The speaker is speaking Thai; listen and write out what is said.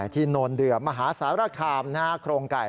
ที่โนเดือมมหาศาลคามหน้าโครงไก่